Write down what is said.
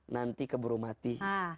nanti keburu mati